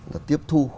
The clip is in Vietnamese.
là tiếp thu